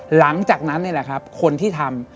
หลังจากนั้นคนที่ทำ